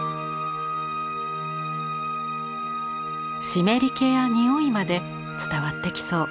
湿り気や匂いまで伝わってきそう。